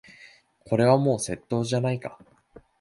これはもう窃盗じゃないか。